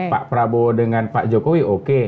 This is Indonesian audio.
pak prabowo dengan pak jokowi oke